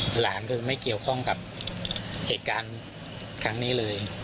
หลานคือไม่เกี่ยวข้องกับเหตุการณ์ครั้งนี้เลย